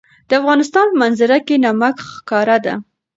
د افغانستان په منظره کې نمک ښکاره ده.